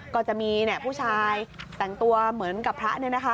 ก็จะมีผู้ชายแต่งตัวเหมือนกับพระเนี่ยนะคะ